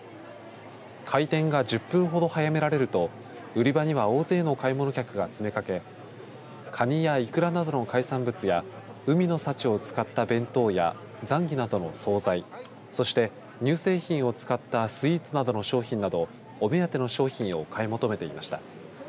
開店が１０分ほど早められると売り場には大勢の買い物客が詰めかけかにやいくらなどの海産物や海の幸を使った弁当やザンギなどの総菜そして乳製品を使ったスイーツの商品などをお目当ての商品を買い求めていました。